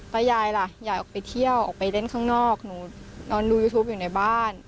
ยายล่ะยายออกไปเที่ยวออกไปเล่นข้างนอกหนูนอนดูยูทูปอยู่ในบ้าน